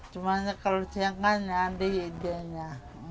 cuma kalau siang kan ada ide nya